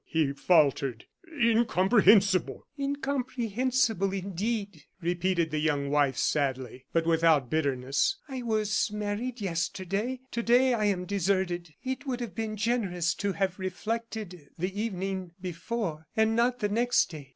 he faltered; "incomprehensible!" "Incomprehensible, indeed," repeated the young wife, sadly, but without bitterness. "I was married yesterday; to day I am deserted. It would have been generous to have reflected the evening before and not the next day.